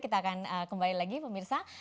kita akan kembali lagi pemirsa